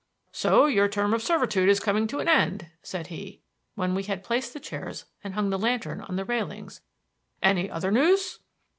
"So your term of servitude is coming to an end," said he, when we had placed the chairs and hung the lantern on the railings. "Any other news?"